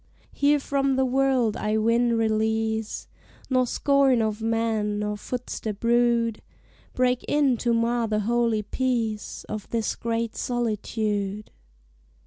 Here from the world I win release, Nor scorn of men, nor footstep rude, Break in to mar the holy peace Of this great solitude.